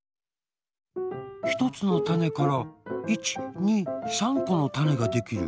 ひとつのたねから１２３このたねができる。